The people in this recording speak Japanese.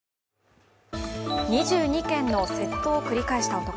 ２２件の窃盗を繰り返した男。